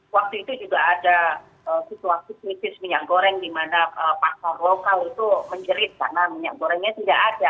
waktu itu juga ada situasi krisis minyak goreng di mana pasar lokal itu menjerit karena minyak gorengnya tidak ada